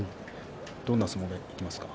どんな相撲になりますか？